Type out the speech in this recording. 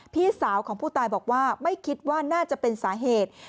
พี่สาวของผู้ตายบอกว่าไม่คิดว่าน่าจะเป็นสาเหตุ